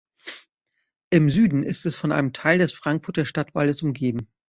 Im Süden ist es von einem Teil des Frankfurter Stadtwaldes umgeben.